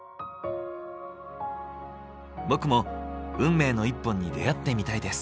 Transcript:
僕も運命の一本に出会ってみたいです。